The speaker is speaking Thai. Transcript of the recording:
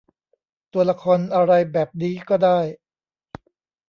ตัวละครอะไรแบบนี้ก็ได้